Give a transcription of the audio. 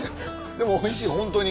でもおいしい本当に。